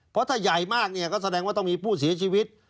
เพราะถ้าใหญ่มากเนี่ยก็แสดงว่าต้องมีผู้เสียชีวิต